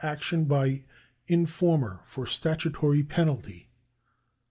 g., action by in former for statutory penalty.